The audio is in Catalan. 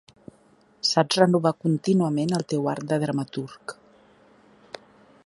Saps renovar contínuament el teu art de dramaturg